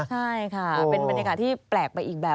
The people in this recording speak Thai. ใช่ค่ะเป็นบรรยากาศที่แปลกไปอีกแบบ